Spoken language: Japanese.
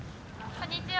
こんにちは。